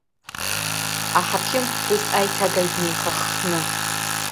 Аҳақьым ԥҳәысаиҭагаҩднеихаххны.